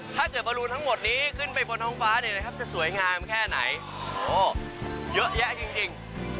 ถ้าเกิดบรูนทั้งหมดนี้ขึ้นไปบนท้องฟ้าเนี่ยนะครับจะสวยงามแค่ไหนโอ้เยอะแยะจริง